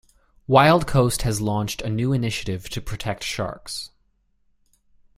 Wildcoast has launched a new initiative to protect sharks.